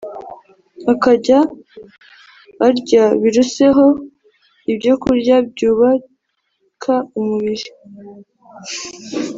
akajya arya biruseho ibyokurya byubaka umubiri